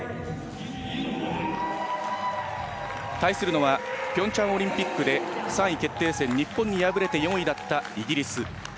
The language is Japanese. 対するのはピョンチャンオリンピックで３位決定戦日本に敗れて４位だったイギリス。